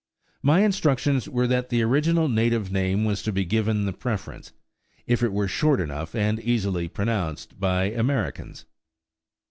My instructions were that the original native name was to be given the preference, if it were short enough and easily pronounced by Americans.